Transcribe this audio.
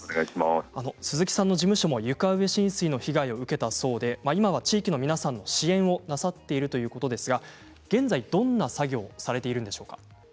鈴木さんの事務所も床上浸水の被害を受けたそうで今は地域の皆さんの支援をなさっているということですが現在どんな作業をされているんでしょうか？